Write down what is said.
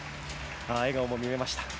笑顔も見えました。